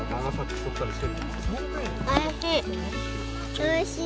おいしい。